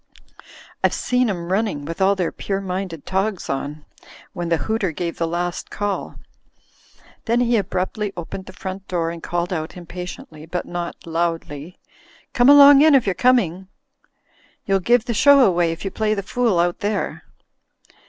I've seen 'em running, with all their pure minded togs on, when the hooter gave the last cdl." Then he abruptly opened the front door and called out impatiently, but not loudly: "Come along in if you're coming. You'll give the show away if you play the fool out there."